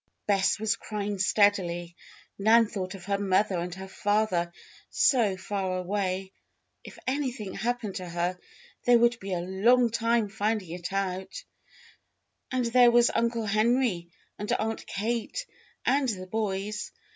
Bess was crying steadily. Nan thought of her mother and her father, so far away. If anything happened to her they would be a long time finding it out. And there was Uncle Henry and Aunt Kate and the boys!